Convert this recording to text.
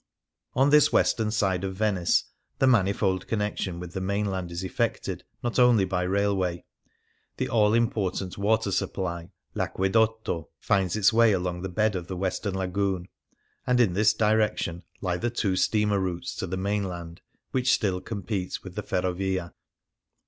On this western side of Venice the manifold connection with the mainland is effected not only by the railway. The all important water supply — r acquedotto — finds its way along the bed of the western lagoon, and in this direc tion lie the two steamer routes to the mainland which still compete with the ferrovia.